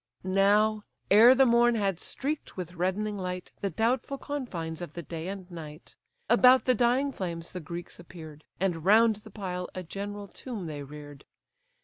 Now, ere the morn had streak'd with reddening light The doubtful confines of the day and night, About the dying flames the Greeks appear'd, And round the pile a general tomb they rear'd.